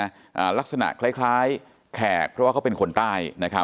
อ่าลักษณะคล้ายคล้ายแขกเพราะว่าเขาเป็นคนใต้นะครับ